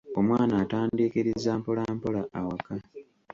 Omwana atandiikiriza mpolampola awaka.